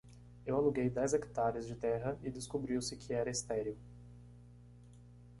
Eu aluguei dez hectares de terra e descobriu-se que era estéril.